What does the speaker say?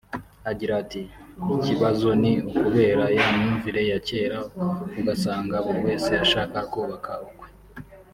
Agira ati “Ikibazo ni ukubera ya myumvire ya kera ugasanga buri wese ashaka kubaka ukwe